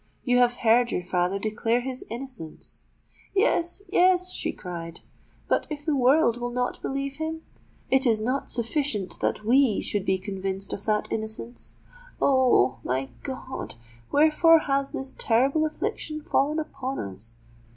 "You have heard your father declare his innocence——" "Yes—yes," she cried: "but if the world will not believe him? It is not sufficient that we should be convinced of that innocence! Oh! my God—wherefore has this terrible affliction fallen upon us?"